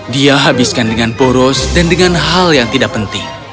dia habiskan dengan poros dan dengan hal yang tidak penting